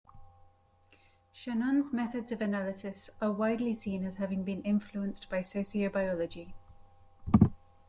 Chagnon's methods of analysis are widely seen as having been influenced by sociobiology.